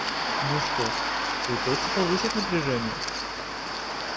Ну что ж, придется повысить напряжение.